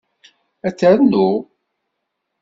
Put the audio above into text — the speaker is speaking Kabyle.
Ad ternu?